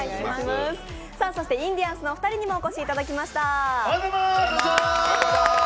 インディアンスのお二人にもお越しいただきました。